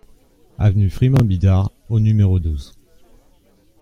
Avenue Firmin Bidard au numéro douze